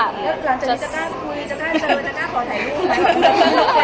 หลังจากนี้จะกล้าคุยจะกล้าเจอ